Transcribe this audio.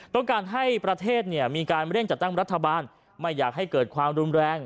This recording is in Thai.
ต้องการให้ประเทศมีการเร่งจัดตั้งรัฐบาลไม่อยากให้เกิดความรุนแรง